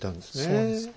そうですね。